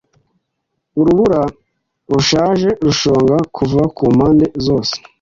Urubura rushaje rushonga kuva kumpande zose